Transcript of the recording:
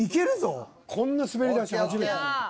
こんな滑り出し初めて。